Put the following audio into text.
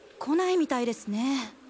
来ないみたいですねぇ。